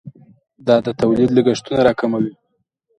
دا د تولید لګښتونه راکموي.